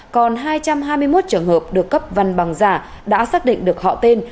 còn hai trăm hai mươi một trường hợp được cấp văn bằng giả đã xác định được họ tên